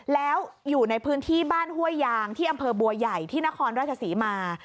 แล้วอยู่ในพื้นที่บ้านห้วยยางที่อำเภอบัวใหญ่ที่นครราชศรีมา